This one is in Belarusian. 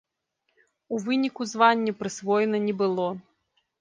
У выніку званне прысвоена не было.